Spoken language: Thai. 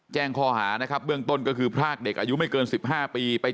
แจ้งข้อหานะครับเบื้องต้นก็คือพรากเด็กอายุไม่เกิน๑๕ปีไป